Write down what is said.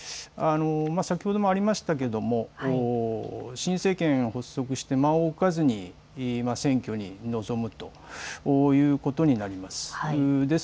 先ほどもありましたが新政権発足して間を置かずに選挙に臨むということになります。